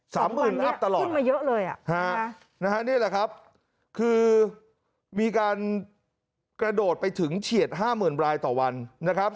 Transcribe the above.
๒วันนี้ขึ้นมาเยอะเลยนี่แหละครับคือมีการกระโดดไปถึงเฉียด๕๐๐๐๐รายต่อวันนะครับ